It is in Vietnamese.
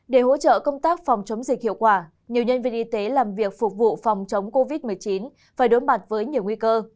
để hỗ trợ công tác phòng chống dịch hiệu quả nhiều nhân viên y tế làm việc phục vụ phòng chống covid một mươi chín phải đối mặt với nhiều nguy cơ